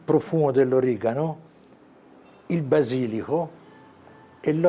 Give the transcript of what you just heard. perasaan oregano basil dan olio